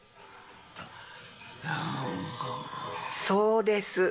そうです。